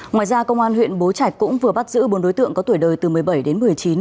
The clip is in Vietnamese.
ngoài ra công an huyện bố trạch cũng vừa bắt giữ bốn đối tượng có tuổi đời từ một mươi bảy đến một mươi chín